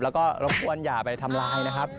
แล้วก็รบกวนอย่าไปทำลายนะครับ